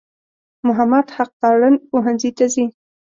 محمد حق تارڼ پوهنځي ته ځي.